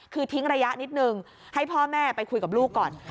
คือทิ้งระยะนิดนึงให้พ่อแม่ไปคุยกับลูกก่อน